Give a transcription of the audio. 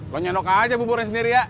lo nyedok aja buburnya sendiri ya